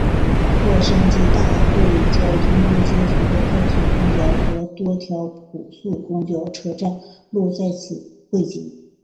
洛杉矶大都会交通运输局的快速公交和多条普速公交车线路在此汇集。